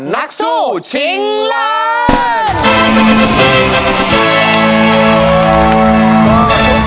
นักสู้ชิงล้าน